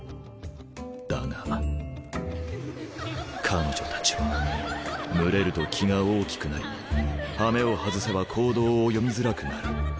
彼女たちは群れると気が大きくなりはめを外せば行動を読みづらくなる。